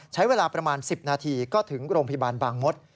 ใช้เวลาประมาณ๑๐นาทีก็ถึงโรงพยาบาลบางมศ